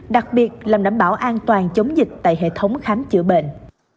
đặc biệt là đảm bảo an toàn chống dịch tại hệ thống khám chữa bệnh